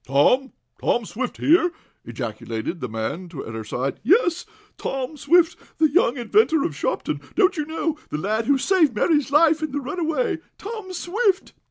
"Tom Tom Swift here?" ejaculated the man at her side. "Yes Tom Swift the young inventor of Shopton don't you know the lad who saved Mary's life in the runaway Tom Swift!"